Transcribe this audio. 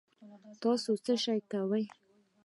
تاسو څه شئ کوی